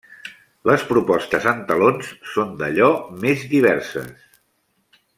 Les propostes en talons són d'allò més diverses.